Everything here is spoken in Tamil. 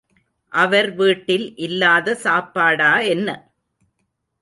அவர் வீட்டில் இல்லாத சாப்பாடா என்ன?